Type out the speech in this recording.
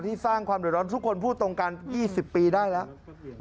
สร้างความเดือดร้อนทุกคนพูดตรงกัน๒๐ปีได้แล้ว